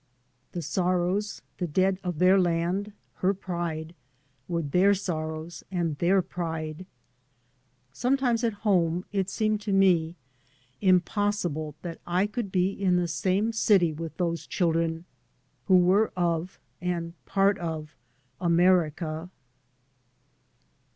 The sorrows, the dead of their land, her pride, were their sorrows and their pride. Sometimes at home it seemed to me impossible that I could be in the same city with those children who were of, and part of, America.